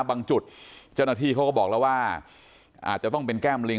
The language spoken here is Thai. บางจุดเจ้าหน้าที่เขาก็บอกแล้วว่าอาจจะต้องเป็นแก้มลิง